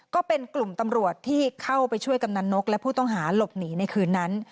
ก็เป็นกลุ่มตำรวจที่เข้าไปช่วยกำนันนกและผู้ต้องหาหลบหนีในคืนนั้น